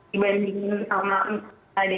dibandingin sama ada ini orang dan kemudian ini siapa gitu